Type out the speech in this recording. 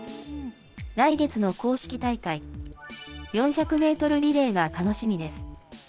来月の公式大会、４００メートルリレーが楽しみです。